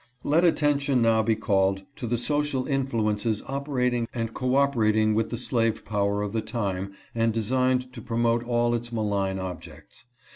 "Let attention now be called to the social influences operating and cooperating with the slave power of the time and designed to promote all its malign objects.